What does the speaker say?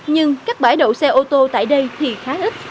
nhưng các bãi đậu xe ô tô tại đây thì khá ít